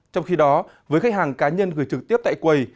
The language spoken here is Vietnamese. trong khi đó với khách hàng cá nhân gửi trực tiếp tại quầy